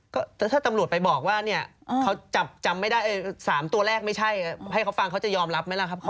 ก็ถ้าตำรวจไปบอกว่าเนี่ยเขาจับจำไม่ได้๓ตัวแรกไม่ใช่ให้เขาฟังเขาจะยอมรับไหมล่ะครับ